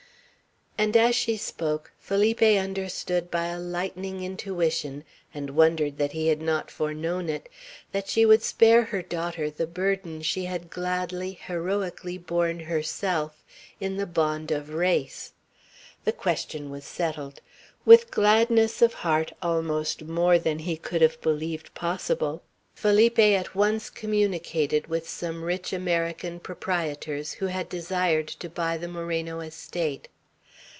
And as she spoke, Felipe understood by a lightning intuition, and wondered that he had not foreknown it, that she would spare her daughter the burden she had gladly, heroically borne herself, in the bond of race. The question was settled. With gladness of heart almost more than he could have believed possible, Felipe at once communicated with some rich American proprietors who had desired to buy the Moreno estate.